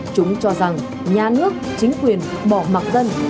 chúng cho rằng nhà nước chính quyền bỏ mặt dân